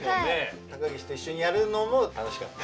高岸といっしょにやるのも楽しかった？